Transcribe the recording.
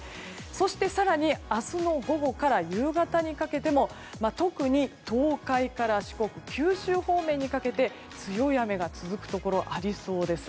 そして、更に明日の午後から夕方にかけても特に東海から四国、九州方面にかけて強い雨が続くところがありそうです。